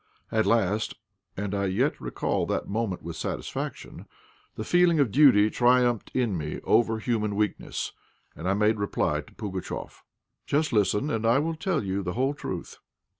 At last (and I yet recall that moment with satisfaction) the feeling of duty triumphed in me over human weakness, and I made reply to Pugatchéf "Just listen, and I will tell you the whole truth.